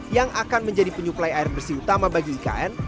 yang akan menjadi penyuplai air bersih utama bagi ikn